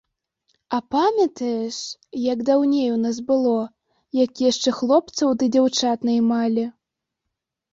А памятаеш, як даўней у нас было, як яшчэ хлопцаў ды дзяўчат наймалі?